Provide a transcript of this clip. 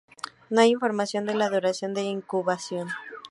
No hay información de la duración de incubación.